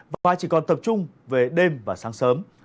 và chỉ còn tập trung về đêm và sáng sớm